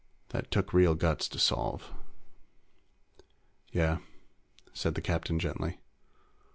That took real guts to solve." "Yeah," said the captain gently.